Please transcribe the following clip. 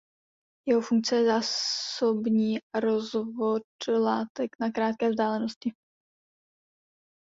Jeho funkce je zásobní a rozvod látek na krátké vzdálenosti.